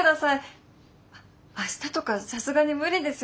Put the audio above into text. あっ明日とかさすがに無理ですよね？